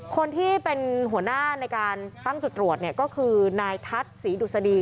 คนที่เป็นหัวหน้าในการตั้งจุดตรวจเนี่ยก็คือนายทัศน์ศรีดุษฎี